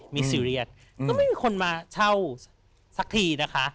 มีซีเรียสก็ไม่มีคนมาเช่าสักทีนะคะ